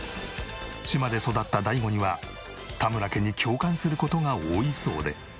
島で育った大悟には田村家に共感する事が多いそうで。